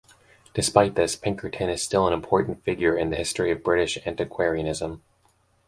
Despite this, Pinkerton is still an important figure in the history of British antiquarianism.